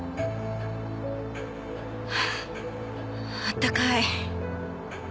あああったかい。